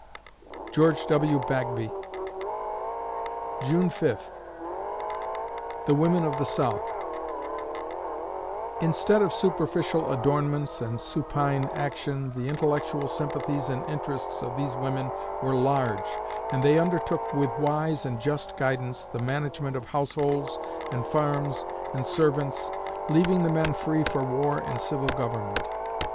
GEORGE W. BAGBY June Fifth THE WOMEN OF THE SOUTH Instead of superficial adornments and supine action, the intellectual sympathies and interests of these women were large, and they undertook with wise and just guidance, the management of households and farms and servants, leaving the men free for war and civil government.